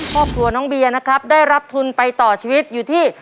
ครอบครัวน้องเบียร์นะครับได้รับทุนไปต่อชีวิตอยู่ที่